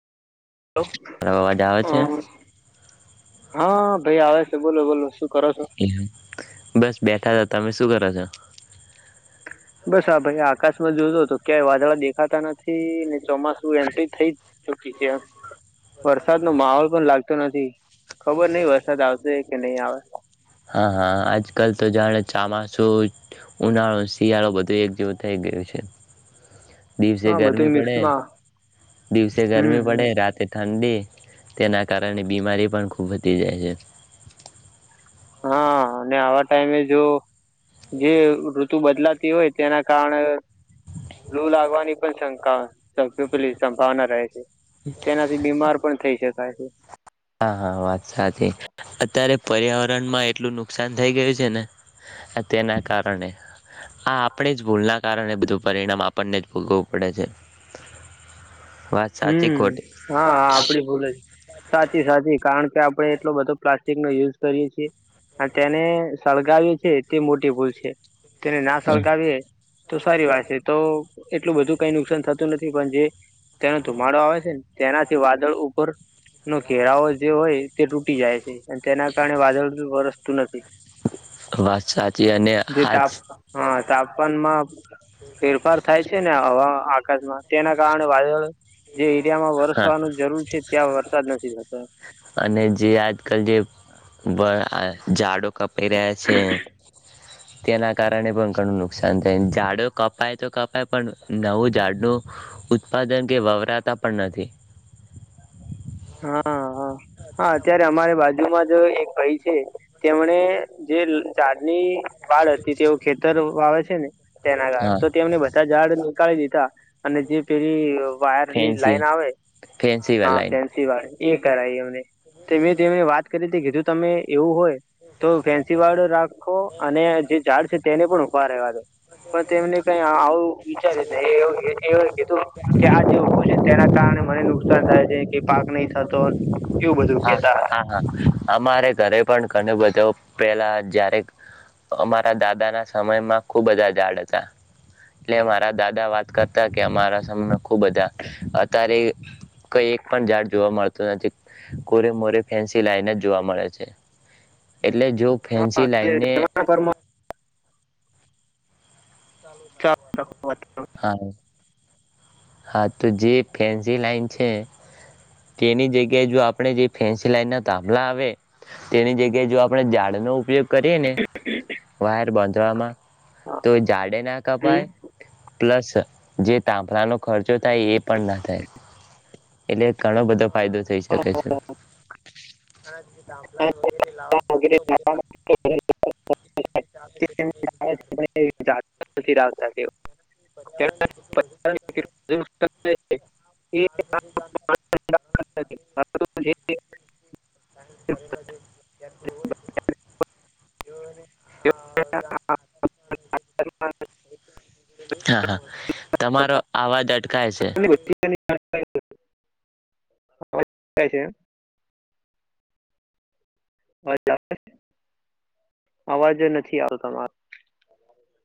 Hello મારો અવાજ આવે છે? હા હા ભાઈ આવે બોલો બોલો શું કરો છો એ બસ બેઠા તા તમે શું કરો છો? બસ આ ભાઈ આકાશમાં જોતો તો ક્યાંય વાદળા દેખાતા નથી ને ચોમાસું એન્ટ્રી થઈ જ [inaudible] વરસાદનો માહોલ પણ લાગતો નથી. ખબર નહીં વરસાદ આવશે કે નહી આવે. હા હા આજકલ તો જાણે ચામાસું, ઉનાળો, શિયાળો બધું એક જેવું થઈ ગયું છે. દિવસે હા બધું ગરમી પડે મિક્સમાં દિવસે હમ ગરમી હમ પડે રાતે ઠંડી તેના કારણે બીમારી પણ ખૂબ વધી જાય છે. હા અને આવા ટાઈમે જો જે ઋતુ બદલાતી હોય તેના કારણે લૂ લાગવાની પણ શંકા [inaudible] પેલી સંભાવના રહે છે. તેનાથી બીમાર પણ થઈ શક કાય છે. હા હા વાત સાચી. અત્યારે પર્યાવરણમાં એટલું નુકસાન થઈ ગયું છે ને આ તેના કારણે આ આપણી જ ભૂલના કારણે બધું પરિણામ આપણને જ ભોગવવું પડે છે. વાત સાચી હમ ખોટી? હા આપણી ભૂલ જ સાચી સાચી કારણ કે આપણે એટલો બધો પ્લાસ્ટિકનો યુઝ કરીએ છીએ. અને તેને સળગાવીએ છે તે મોટી ભૂલ છે. તેને ના સળગાવીએ તો સારી વાત છે તો એટલું બધું કઈ નુકસાન થતું નથી પણ જે તેનો ધુમાડો આવે છે ને તેનાથી વાદળ ઉપરનો ઘેરાવો જે હોય તે તૂટી જાય છે. અને તેના કારણે વાદળ વરસતું નથી વાત સાચી અને જે આજ તાપ હા તાપમાનમાં ફેરફાર થાય છે ને આવા આ [inaudible] તેના કારણે વાદળો જે એરિયામાં હા વરસવાનું જરૂર છે ત્યાં વરસાદ નથી થતો. ભ આ ઝાડો કપાઈ રહ્યા છે તેના કારણે પણ ઘણું નુકસાન થાયને ઝાડો કપાય તો કપાય પણ નવું ઝાડનું ઉત્પાદન કે વવરાતા પણ નથી. હા હા હા અત્યારે અમારે બાજુમાં જ જુ એક ભઈ છે તેમણે જે ઝાડની વાળ હતી તેઓ ખેતર વાવે છે ને તેના કારણે હા તો તેમને બધા ઝાડ નીકાળી દીધા અને જે પેલી વાયરની ફેન્સી લાઈન આવે ફેન્સી હા વેલાઈન ફેન્સી વાડ એ કરાય એમને તે મેં તેમને વાત કરીતી કીધું તમે એવું હોય તો ફેન્સી વાળો રાખો અને જે ઝાડ છે તેને પણ ઉભા રહેેવા દો. તો તેમને કઈ આવું વિચારી તે એવું કીધું કે આ જે ઉભું છે ને તેના કારણે મને નુક નુકસાન થાય છે કે પાક નહી થતો એવું બધું હા કેતા હતા ઘણ બધું પેલા જારે અમારા દાદા ના સમયમાં ખુબ બધા ઝાડ હતા એટલે મારા દાદા વાત કરતા કે અમારા સમ ખુબ બધા અત્યારે કઈ એક પણ ઝાડ જોવા મળત. તો કોરે મોરે ફેન્સી લાઈન જ જોવા મળે છે. એટલે જો હતા હા ફેન્સી લાઈન એ ને. જમાના પરમાં ચાલ. હા હા તો જે ફેન્સી લાઈન છે તેની જગ્યાએ જો આપણે જે ફેન્સી લાઈન ના તાભલા આવે તેની જગ્યાએ જો આપણે ઝાડ નો ઉપયોગ કરીને વાયર બાંધવામાં તો જાડે ના હમ. કપાય. પ્લસ જે તાફળનો ખર્ચો થાય એ પણ ના થાય એટલે ઘણો બધો ફાયદો થઈ શકે છે. ત પ્લાન વગેરે લવાલા [unintelligible] આખી રાત [inaudible] પર્યાવરણ એટલે કે ટું બધુ જ હ. મા તો જો જતા [inaudible] કરલો જે્યા હોય છે. જો હા [inaudible] હ [inaudible] હા હા તમારો આવાજ [inaudible] અટહાય છે એમ- અવાજ આવે અવાજ નથી આવ તમારો